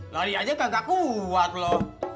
lari aja nggak kuat lo